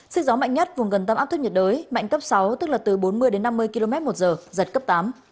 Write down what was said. sức gió mạnh nhất vùng gần tâm áp thấp nhiệt đới mạnh cấp sáu tức là từ bốn mươi đến năm mươi km một giờ giật cấp tám